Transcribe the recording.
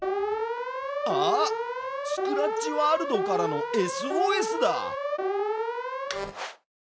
あっスクラッチワールドからのＳＯＳだ！